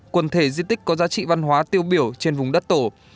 quần thể di tích có giá trị văn hóa tiêu biểu trên vùng đất tổ